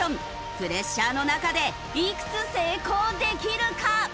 プレッシャーの中でいくつ成功できるか！？